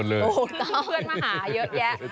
โอ้ต้องเพื่อนมาหาเยอะแยะ